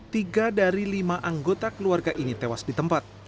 tiga dari lima anggota keluarga ini tewas di tempat